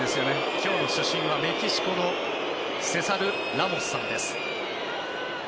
今日の主審はメキシコのセサル・ラモスさんです。